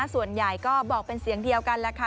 ส่วนใหญ่ก็บอกเป็นเสียงเดียวกันแหละค่ะ